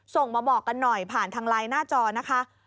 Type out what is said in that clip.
ส่งมาบอกกันหน่อยผ่านทางไลน์หน้าจอนะคะ